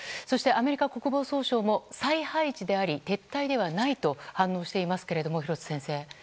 そしてアメリカ国防総省も再配置であり撤退ではないと反応していますが。